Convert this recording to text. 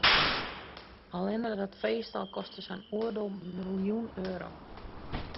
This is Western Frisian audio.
Allinne dat feest al koste sa'n oardel miljoen euro.